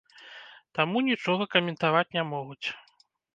Таму нічога каментаваць не могуць.